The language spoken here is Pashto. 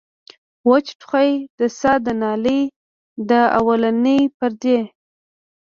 وچ ټوخی د ساه د نالۍ د اولنۍ پردې